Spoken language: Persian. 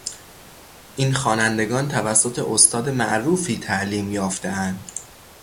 این خوانندگان توسط استاد معروفی تعلیم یافتهاند.